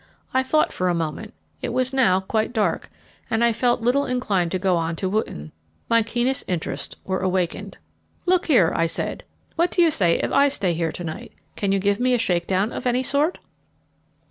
I thought for a moment it was now quite dark, and I felt little inclined to go on to Wotton. My keenest interests were awakened. "Look here," I said, "what do you say if I stay here to night? Can you give me a shake down of any sort?"